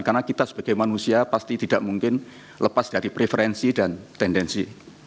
karena kita sebagai manusia pasti tidak mungkin lepas dari preferensi dan tendensi